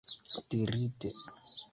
dirite